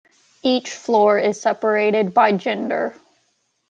Each floor is separated by gender.